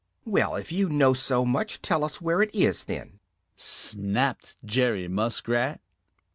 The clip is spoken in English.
"Well, if you know so much, tell us where it is then!" snapped Jerry Muskrat.